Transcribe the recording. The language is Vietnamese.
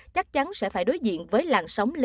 chắc chắn sẽ phải đối diện với làn sóng lây nhiễm